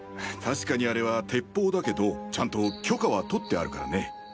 確かにあれは鉄砲だけどちゃんと許可はとってあるからね。